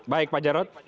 baik pak jarod